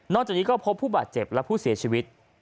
จากนี้ก็พบผู้บาดเจ็บและผู้เสียชีวิต